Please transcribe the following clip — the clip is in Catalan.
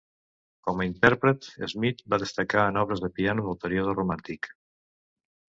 Com a intèrpret, Smith va destacar en obres de piano del període romàntic.